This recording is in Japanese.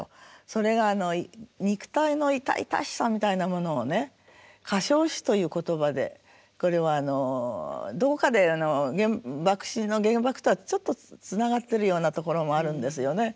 それが肉体の痛々しさみたいなものを「火傷し」という言葉でこれはどこかで爆心の原爆とはちょっとつながってるようなところもあるんですよね。